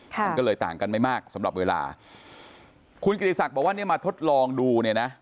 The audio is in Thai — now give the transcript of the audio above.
มันก็เลยต่างกันไม่มากสำหรับเวลาคุณกิติศักดิ์บอกว่าเนี่ยมาทดลองดูเนี่ยนะ